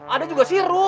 ada juga sirup